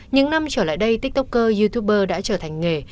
những năm trở lại đây tiktoker youtuber đã trở thành nghề